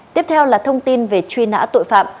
tiếp theo là thông tin về truy nã tội phạm